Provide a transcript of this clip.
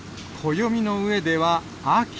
暦の上では秋。